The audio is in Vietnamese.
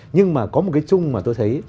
nhưng mà có một cái chung mà tôi thấy